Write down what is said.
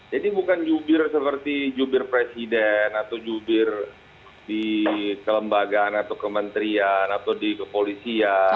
jadi bukan judir seperti judir presiden atau judir di kelembagaan atau kementerian atau di kepolisian